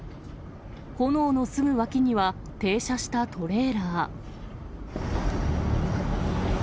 炎のすぐ脇には、停車したトレーラー。